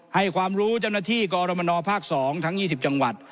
ให้ความรู้เจ้าหน้าที่กรมนภาค๒ทั้ง๒๐จังหวัด